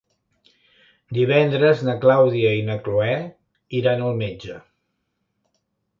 Divendres na Clàudia i na Cloè iran al metge.